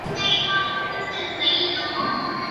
这本书对他的一生产生了重要影响。